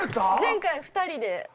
前回２人で。